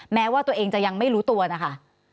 แม้ว่าตัวเองจะยังไม่รู้ตัวนะคะ